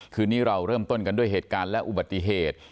คืนนี้เราเริ่มต้นกันด้วยเหตุการณ์และอุบัติเหตุ